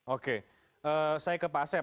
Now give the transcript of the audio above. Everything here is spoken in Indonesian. oke saya ke pak asep